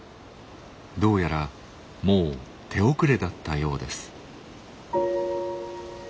どうやらもう手遅れだったようです。